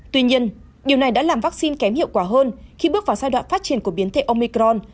tuy nhiên điều này đã làm vaccine kém hiệu quả hơn khi bước vào giai đoạn phát triển của biến thể omicron